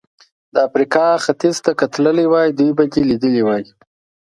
د افریقا ختیځ ته که تللی وای، دوی به دې لیدلي وای.